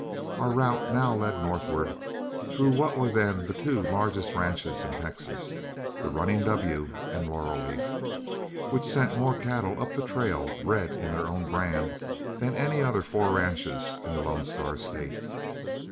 Our route now led northward through what were then the two largest ranches in Texas, the "Running W" and Laurel Leaf, which sent more cattle up the trail, bred in their own brand, than any other four ranches in the Lone Star State.